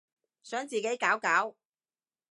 想自己搞搞